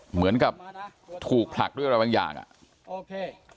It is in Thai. เหมือนกับถูกผลักด้วยอะไรบางอย่างอ่ะโอเค